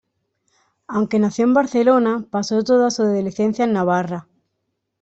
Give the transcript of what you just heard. Aunque nació en Barcelona, pasó toda su adolescencia en Navarra.